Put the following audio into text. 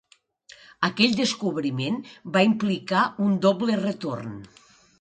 Aquell descobriment va implicar un doble retorn.